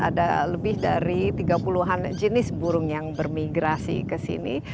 ada lebih dari tiga puluh an jenis burung yang bermigrasi ke sini